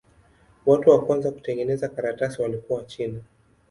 Watu wa kwanza kutengeneza karatasi walikuwa Wachina.